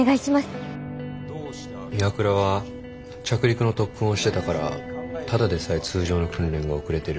岩倉は着陸の特訓をしてたからただでさえ通常の訓練が遅れてる。